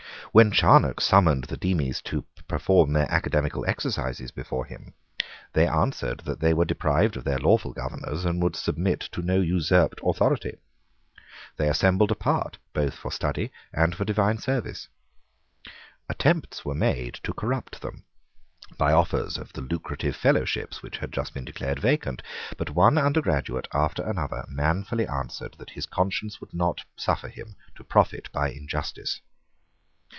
When Charnock summoned the Demies to perform their academical exercises before him, they answered that they were deprived of their lawful governors and would submit to no usurped authority. They assembled apart both for study and for divine service. Attempts were made to corrupt them by offers of the lucrative fellowships which had just been declared vacant: but one undergraduate after another manfully answered that his conscience would not suffer him to profit by injustice.